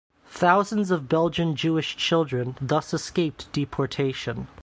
Thousands of Belgian Jewish children thus escaped deportation.